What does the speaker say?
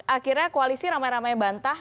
akhirnya koalisi ramai ramai bantah